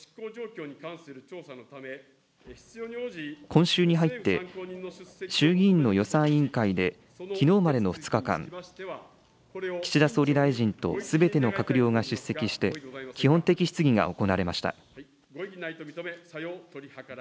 今週に入って、衆議院の予算委員会できのうまでの２日間、岸田総理大臣とすべての閣僚が出席して、基本的質疑が行われました。